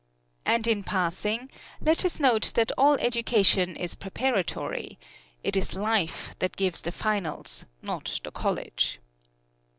And in passing, let us note that all education is preparatory it is life that gives the finals, not the college.